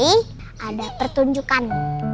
parent day ada pertunjukan